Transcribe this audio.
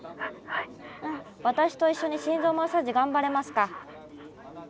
私と一緒に心臓マッサージがんばれますか？